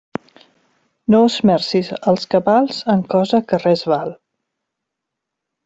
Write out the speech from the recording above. No esmercis els cabals en cosa que res val.